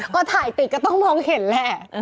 ก็ถ่ายติดก็ต้องมองเห็นแหละ